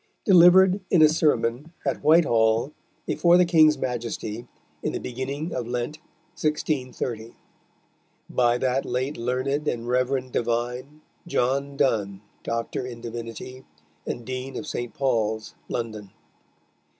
Delivered in a Sermon at White Hall, before the King's Maiesty, in the beginning of Lent_, 1630. _By that late learned and Reverend Divine, John Donne, Dr. in Divinity, & Deane of S. Pauls, London.